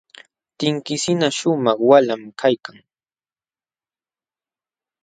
Tinkisinqa shumaq wamlam kaykan.